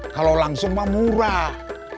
kalau langsung emak murah